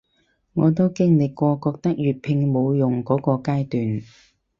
我都經歷過覺得粵拼冇用箇個階段